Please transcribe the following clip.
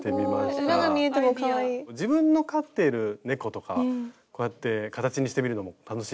自分の飼っている猫とかこうやって形にしてみるのも楽しいかなと。